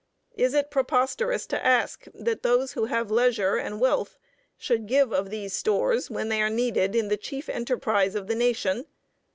Is it preposterous to ask that those who have leisure and wealth should give of these stores when they are needed in the chief enterprise of the nation?